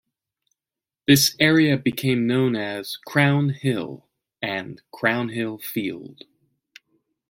This area became known as Crown Hill and Crownhill Field.